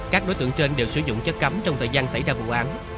các đối tượng trên đều sử dụng chất cấm trong thời gian xảy ra vụ án